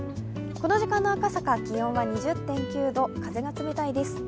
この時間の赤坂、気温は２０．９度、風が冷たいです。